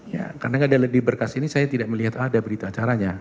ya kadang kadang di berkas ini saya tidak melihat ada berita acaranya